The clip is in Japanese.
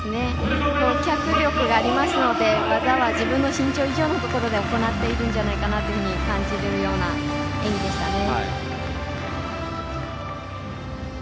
脚力がありますので技は自分の身長以上のところで行っているんじゃないかなと感じるような演技でしたね。